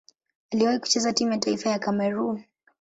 Aliwahi kucheza timu ya taifa ya Kamerun.